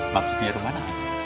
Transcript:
maksudnya rumah mana